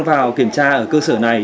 vào kiểm tra ở cơ sở này